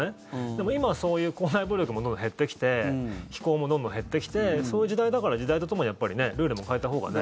でも今は、そういう校内暴力もどんどん減ってきて非行もどんどん減ってきてそういう時代だから時代とともにやっぱりルールも変えたほうがね。